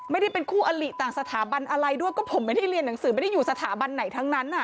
ไม่ได้เป็นคู่อลิต่างสถาบันอะไรด้วยก็ผมไม่ได้เรียนหนังสือไม่ได้อยู่สถาบันไหนทั้งนั้น